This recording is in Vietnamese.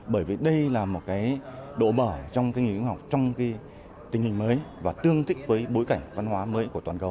bởi vì đây là một độ bở trong nghị nghiên cứu văn học trong tình hình mới và tương tích với bối cảnh văn hóa mới của toàn cầu